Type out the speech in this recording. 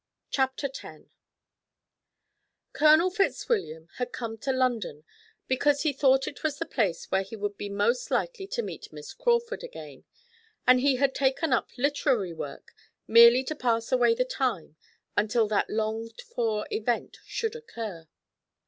Chapter X Colonel Fitzwilliam had come to London because he thought it was the place where he would be most likely to meet Miss Crawford again, and he had taken up literary work merely to pass away the time until that longed for event should occur.